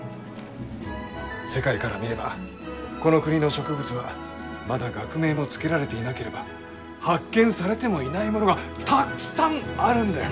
世界から見ればこの国の植物はまだ学名も付けられていなければ発見されてもいないものがたっくさんあるんだよ！